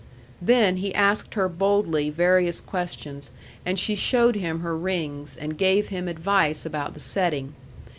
Then he asked her boldly various questions, and she showed him her rings, and gave him advice about the setting.